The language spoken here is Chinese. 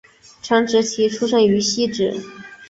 陈植棋出生于汐止